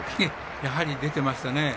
やはり出てましたね。